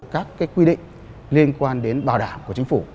các quy định liên quan đến bảo đảm của chính phủ